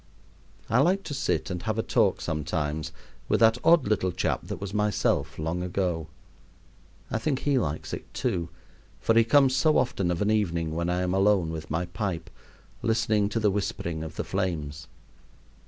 I like to sit and have a talk sometimes with that odd little chap that was myself long ago. I think he likes it too, for he comes so often of an evening when I am alone with my pipe, listening to the whispering of the flames.